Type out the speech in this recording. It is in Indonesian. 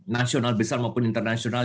nasional besar maupun internasional